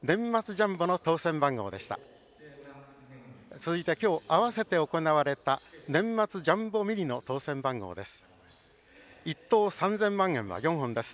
続いて今日あわせて行われた年末ジャンボミニの当せん番号です。